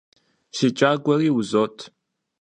Си кӀагуэри узот.